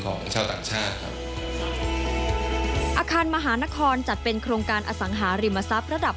ของชาวต่างชาติครับอาคารมหานครจัดเป็นโครงการอสังหาริมทรัพย์ระดับ